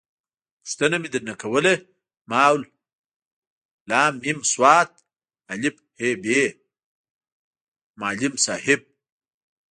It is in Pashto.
پوښتنه مې در نه کوله ما …ل …م ص … ا .. ح… ب.